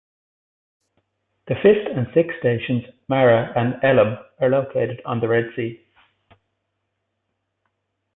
The fifth and sixth stations Marah and Elim are located on the Red Sea.